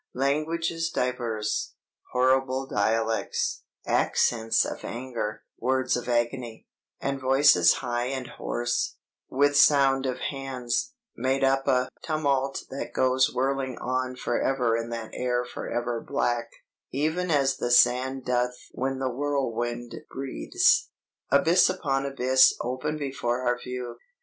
_' ("'Languages diverse, horrible dialects, Accents of anger, words of agony, And voices high and hoarse, with sound of hands, Made up a tumult that goes whirling on Forever in that air forever black, Even as the sand doth when the whirlwind breathes.') "Abyss upon abyss open before our view.